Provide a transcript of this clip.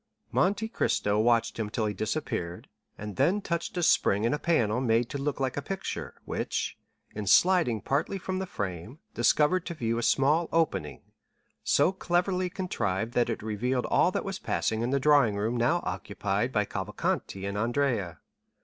Monte Cristo watched him till he disappeared, and then touched a spring in a panel made to look like a picture, which, in sliding partly from the frame, discovered to view a small opening, so cleverly contrived that it revealed all that was passing in the drawing room now occupied by Cavalcanti and Andrea.